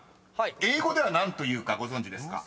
英語では何というかご存じですか？］